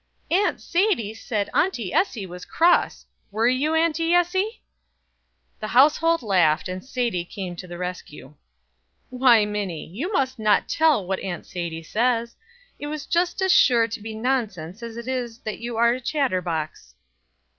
"Aunt Sadie said Auntie Essie was cross. Were you, Auntie Essie?" The household laughed, and Sadie came to the rescue. "Why, Minnie! you must not tell what Aunt Sadie says. It is just as sure to be nonsense as it is that you are a chatter box."